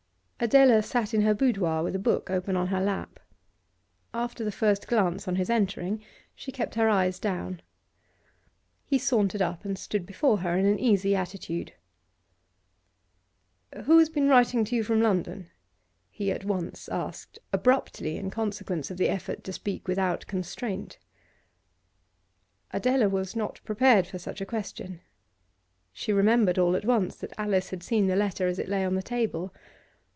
Adela sat in her boudoir, with a book open on her lap. After the first glance on his entering she kept her eyes down. He sauntered up and stood before her in an easy attitude. 'Who has been writing to you from London?' he at once asked, abruptly in consequence of the effort to speak without constraint. Adela was not prepared for such a question. She remembered all at once that Alice had seen the letter as it lay on the table.